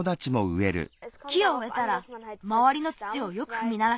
木をうえたらまわりの土をよくふみならす。